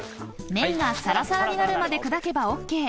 ［麺がさらさらになるまで砕けばＯＫ］